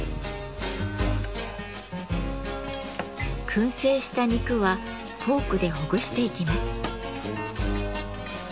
燻製した肉はフォークでほぐしていきます。